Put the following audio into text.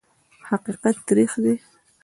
حقیقت تریخ دی .